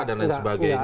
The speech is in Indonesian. dan lain sebagainya